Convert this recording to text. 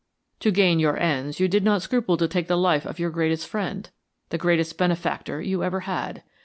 To gain your ends you did not scruple to take the life of your greatest friend, the greatest benefactor you ever had.